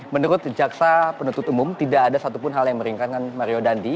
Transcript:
menurut jaksa penuntut umum tidak ada satupun hal yang meringankan mario dandi